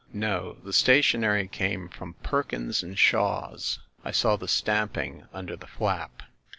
"No, the stationery came from Perkins & Shaw's. I saw the stamping under the flap."